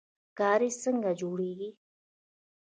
کاریز څنګه جوړیږي؟